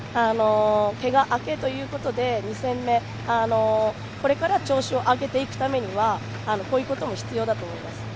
けが明けということで２戦目、これから調子を上げていくためにはこういうことも必要だと思います。